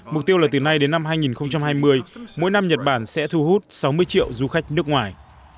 mục tiêu là từ nay đến năm hai nghìn hai mươi mỗi năm nhật bản sẽ thu hút sáu mươi triệu du khách nước ngoài